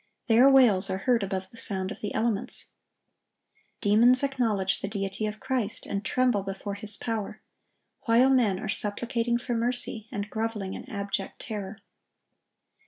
Their wails are heard above the sound of the elements. Demons acknowledge the deity of Christ, and tremble before His power, while men are supplicating for mercy, and groveling in abject terror.